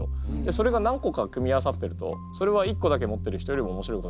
それが何個か組み合わさってるとそれは一個だけ持ってる人よりも面白いことができる。